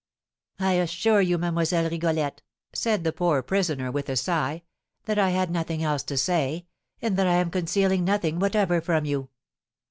"I assure you Mlle. Rigolette," said the poor prisoner with a sigh, "that I had nothing else to say, and that I am concealing nothing whatever from you."